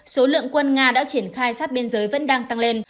số lượng quân nga đã triển khai sát biên giới vẫn đang tăng lên